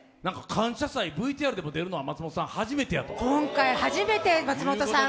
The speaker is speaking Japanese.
「感謝祭」ＶＴＲでも出るのは松本さん